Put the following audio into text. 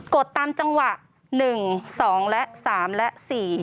ดตามจังหวะ๑๒และ๓และ๔